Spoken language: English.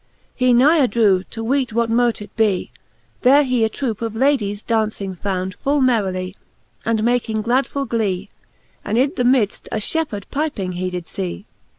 He nigher drew, to weete what mote it be ; There he a troupe of Ladies da\ihclng found Full merrily, and making gladfull glee, And in the midft a Shepheard piping he did fee.